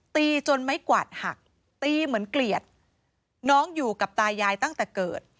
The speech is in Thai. ตีจนไม้กวาดหักตีเหมือนเกลียดน้องอยู่กับตายายตั้งแต่เกิด